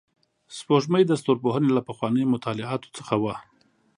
سپوږمۍ د ستورپوهنې له پخوانیو مطالعاتو څخه وه